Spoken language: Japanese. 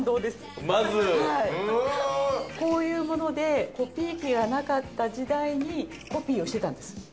こういうものでコピー機がなかった時代にコピーをしてたんです。